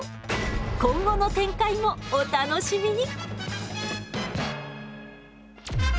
今後の展開もお楽しみに！